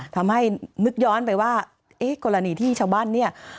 ทำให้นึกย้อนไปว่าเอ๊ะกรณีที่ชาวบ้านเนี่ย